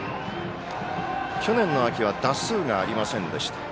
去年の秋は打数がありませんでした。